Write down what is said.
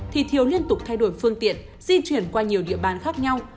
thì thiếu liên tục thay đổi phương tiện di chuyển qua nhiều địa bàn khác nhau